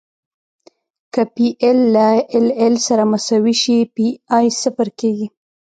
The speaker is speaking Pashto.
که پی ایل له ایل ایل سره مساوي شي پی ای صفر کیږي